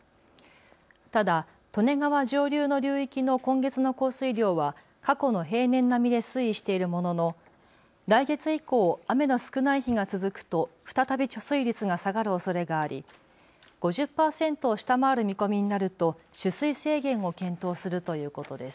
ただ利根川上流の流域の今月の降水量は過去の平年並みで推移しているものの来月以降、雨の少ない日が続くと再び貯水率が下がるおそれがあり５０％を下回る見込みになると取水制限を検討するということです。